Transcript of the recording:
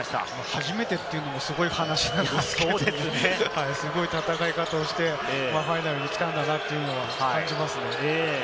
初めてというのもすごい話ですけれども、すごい戦い方をしてファイナルに来たんだなと感じますね。